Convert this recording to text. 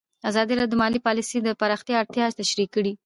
ازادي راډیو د مالي پالیسي د پراختیا اړتیاوې تشریح کړي.